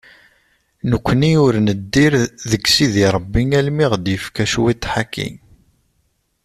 Nekkni ur neddir deg Sidi Rebbi almi i aɣ-d-yefka cwiṭeḥ-agi.